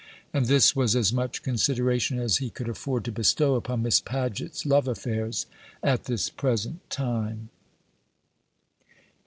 And this was as much consideration as he could afford to bestow upon Miss Paget's love affairs at this present time.